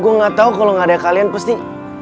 gue gak tau kalau nggak ada kalian pasti